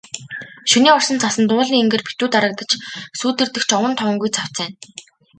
Шөнийн орсон цасанд уулын энгэр битүү дарагдаж, сүүдэртэх ч овон товонгүй цавцайна.